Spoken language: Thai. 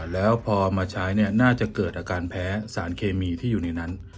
แล้วพอมาใช้น่าจะเกิดอาการแพ้สารเคมีที่อยู่ในนั้น